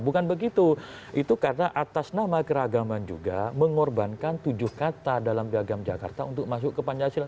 bukan begitu itu karena atas nama keragaman juga mengorbankan tujuh kata dalam piagam jakarta untuk masuk ke pancasila